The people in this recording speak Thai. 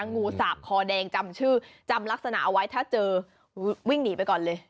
งูสาบคอแดงจำชื่อจำลักษณะเอาไว้ถ้าเจอวิ่งหนีไปก่อนเลย